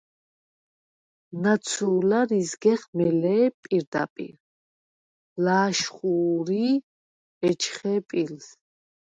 ნაცუ̄ლარ იზგეხ მელე̄ პირდაპირ, ლა̄შხუ̄რი ეჩხე̄ პილს.